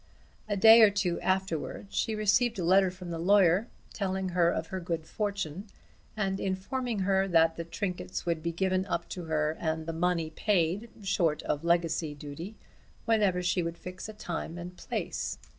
A day or two afterwards she received a letter from the lawyer, telling her of her good fortune, and informing her that the trinkets would be given up to her and the money paid, short of legacy duty, whenever she would fix a time and place.